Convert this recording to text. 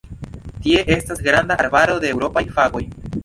Tie estas granda arbaro de eŭropaj fagoj.